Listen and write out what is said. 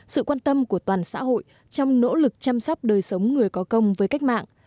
sự quan tâm của toàn xã hội trong nỗ lực chăm sóc đời sống người có công với cách mạng